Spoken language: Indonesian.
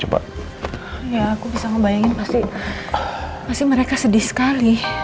ya aku bisa ngebayangin pasti mereka sedih sekali